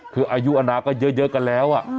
คืออายุอนาก็เยอะกันแล้ว